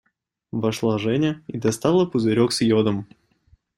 Вошла Женя и достала пузырек с йодом.